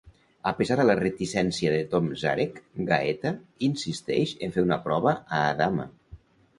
A pesar de la reticència de Tom Zarek, Gaeta insisteix en fer una prova a Adama.